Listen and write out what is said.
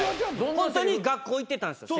ホントに学校行ってたんですよ